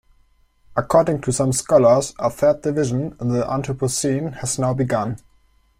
According to some scholars, a third division, the Anthropocene, has now begun.